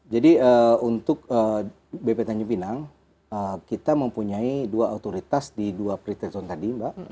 jadi untuk bp tanjung pinang kita mempunyai dua autoritas di dua prestasi tadi mbak